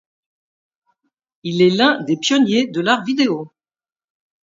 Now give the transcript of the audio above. Il est l’un des pionniers de l’art vidéo.